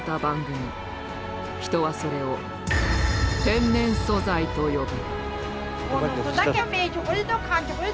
人はそれを「天然素材」と呼ぶ。